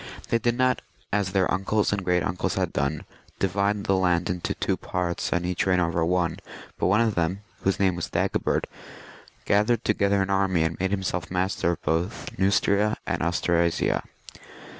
They did not, as their uncles and great uncles had done, divide the land into two parts and each reign over one ; but one of them, whose name was Dagobert, gathered to gether an army and made himseK mastier of both Neustria and Austrasia.